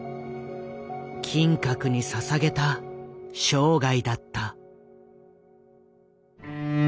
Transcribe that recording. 金閣にささげた生涯だった。